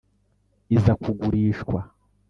Iza kugurishwa.